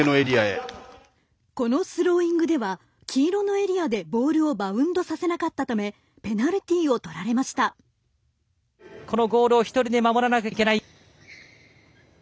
このスローイングでは黄色のエリアでボールをバウンドさせなかったためこのゴールを１人で守らなければいけない。